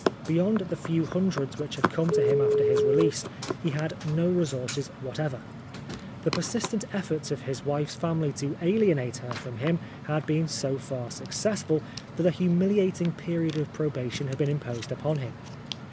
Beyond the few hundreds which had come to him after his release, he had no resources whatever. The persistent efforts of his wife's family to alienate her from him had been so far successful, that a humiliating 238 Oscar Wilde period of probation had been imposed upon him.